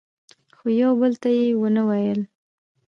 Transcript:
خو یو بل ته یې څه ونه ویل.